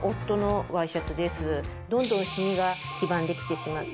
どんどんシミが黄ばんできてしまって。